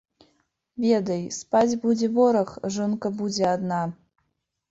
Ведай, спаць будзе вораг, жонка будзе адна.